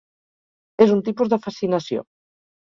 És un tipus de fascinació.